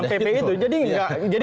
dalam pp itu jadi nggak jadi